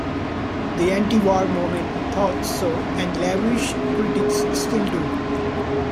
The antiwar movement thought so, and Lewy's critics still do.